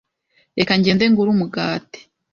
Reka ngende ngure umugati.